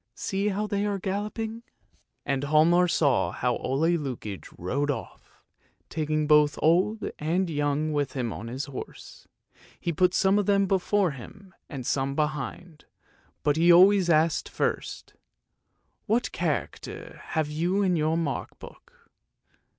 See how they are galloping." OLE LUKOIE, THE DUSTMAN 359 And Hialmar saw how Ole Lukoie rode off, taking both old and young with him on his horse. He put some of them before him and some behind, but he always asked first, " What character have you in your mark book?